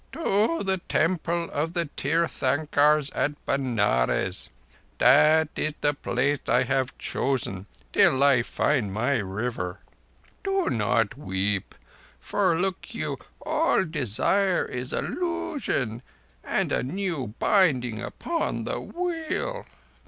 "To the Temple of the Tirthankars at Benares. That is the place I have chosen till I find my River. Do not weep; for, look you, all Desire is Illusion and a new binding upon the Wheel.